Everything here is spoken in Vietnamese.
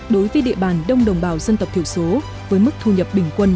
đối với địa bàn đông đồng bào dân tộc thiểu số với mức thu nhập bình quân